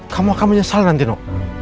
kamu akan menyesal nanti no